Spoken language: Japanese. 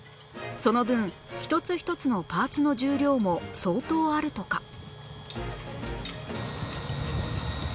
その分一つ一つのパーツの重量も相当あるとか